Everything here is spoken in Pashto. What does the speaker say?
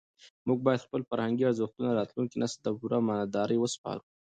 موږ باید خپل فرهنګي ارزښتونه راتلونکي نسل ته په پوره امانتدارۍ وسپارو.